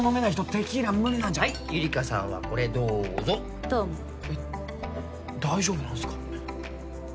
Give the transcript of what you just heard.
テキーラ無理なんじゃはいゆりかさんはこれどうぞどうもえっ大丈夫なんすか？